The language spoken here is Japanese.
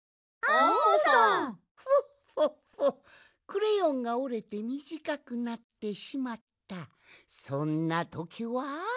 クレヨンがおれてみじかくなってしまったそんなときは。